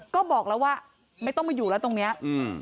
ก็บอกแล้วว่าไม่ต้องมาอยู่แล้วตรงเนี้ยอืม